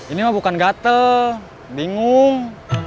ini mah bukan gatel bingung